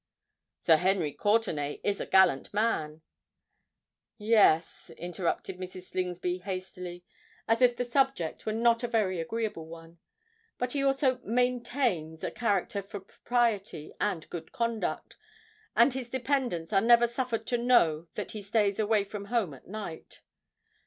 "Sir Henry Courtenay is a gallant man——" "Yes," interrupted Mrs. Slingsby hastily, as if the subject were not a very agreeable one: "but he also maintains a character for propriety and good conduct—and his dependants are never suffered to know that he stays away from home at night.